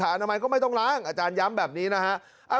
อนามัยก็ไม่ต้องล้างอาจารย้ำแบบนี้นะฮะ